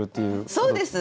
そうです。